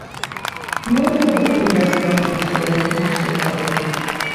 Ну, быў бы я, скажам, чалавек іншай пароды.